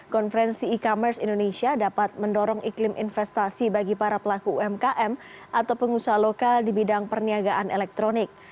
konferensi e commerce indonesia dapat mendorong iklim investasi bagi para pelaku umkm atau pengusaha lokal di bidang perniagaan elektronik